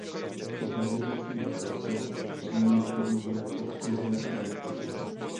Obíhající těleso se při ní pohybuje po kruhové trajektorii.